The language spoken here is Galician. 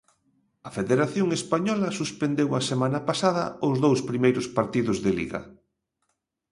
A Federación Española suspendeu a semana pasada os dous primeiros partidos de Liga.